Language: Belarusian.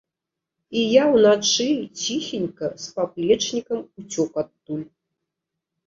І я ўначы, ціхенька, з заплечнікам уцёк адтуль.